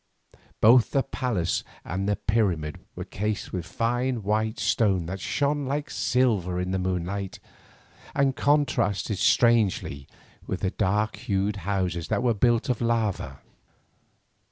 Both the palace and the pyramid were cased with a fine white stone that shone like silver in the sunlight, and contrasted strangely with the dark hued houses that were built of lava.